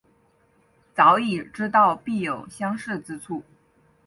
早已知道必有相似之处